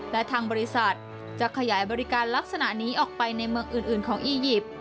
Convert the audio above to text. และทางบริษัทจะขยายบริการลักษณะนี้ออกไปในเมืองอื่นของอียิปต์